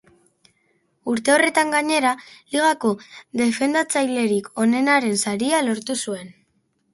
Urte horretan gainera, ligako defendatzailerik onenaren saria lortu zuen.